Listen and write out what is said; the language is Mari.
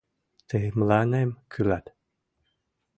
Тый мыланем кӱлат.